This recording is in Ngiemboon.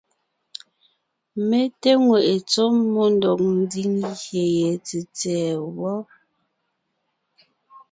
Mé té ŋweʼe tsɔ́ mmó ndɔg ńdiŋ gyè ye tsètsɛ̀ɛ wɔ.